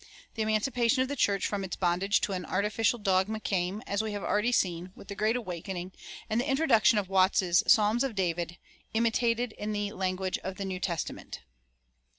The emancipation of the church from its bondage to an artificial dogma came, as we have already seen, with the Great Awakening and the introduction of Watts's "Psalms of David, Imitated in the Language of the New Testament."